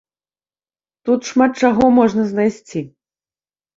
Тут шмат чаго можна знайсці.